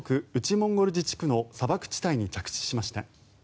モンゴル自治区の砂漠地帯に着地しました。